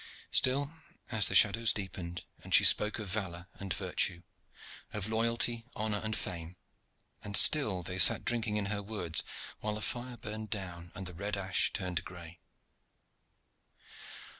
Still, as the shadows deepened, she spoke of valor and virtue, of loyalty, honor, and fame, and still they sat drinking in her words while the fire burned down and the red ash turned to gray.